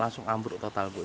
langsung ambruk total bu